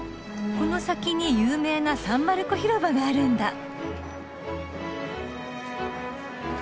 この先に有名なサン・マルコ広場があるんだ。